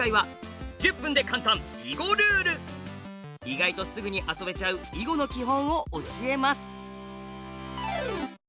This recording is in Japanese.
意外とすぐに遊べちゃう囲碁の基本を教えます。